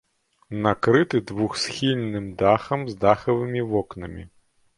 Накрыты двухсхільным дахам з дахавымі вокнамі.